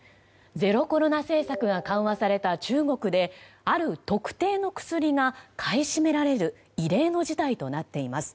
ゼロコロナ政策が緩和された中国である特定の薬が買い占められる異例の事態となっています。